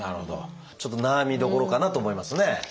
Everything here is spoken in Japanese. ちょっと悩みどころかなと思いますね。